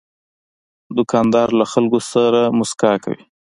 دوکاندار له خلکو سره مسکا کوي.